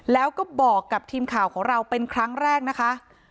แล้วก็บอกกับทีมข่าวของเราเป็นครั้งแรกนะคะ